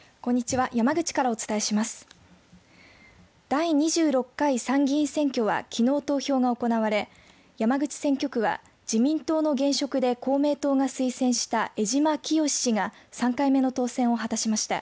第２６回参議院選挙はきのう投票が行われ山口選挙区は自民党の現職で公明党が推薦した江島潔氏が３回目の当選を果たしました。